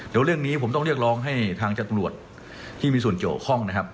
เดี๋ยวเรื่องนี้ผมต้องเรียกร้องให้ทางจำรวจที่มีส่วนเกี่ยวข้องนะครับ